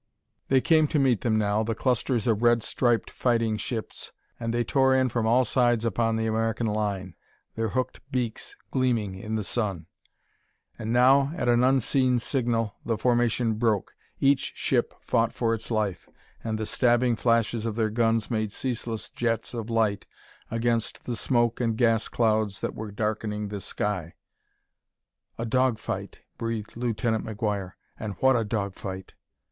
They came to meet them now, the clusters of red striped fighting ships, and they tore in from all sides upon the American line, their hooked beaks gleaming in the sun. And now, at an unseen signal, the formation broke. Each ship fought for its life, and the stabbing flashes of their guns made ceaseless jets of light against the smoke and gas clouds that were darkening the sky. "A dog fight!" breathed Lieutenant McGuire; "and what a dog fight!"